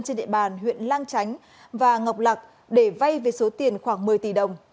trên địa bàn huyện lang chánh và ngọc lạc để vay về số tiền khoảng một mươi tỷ đồng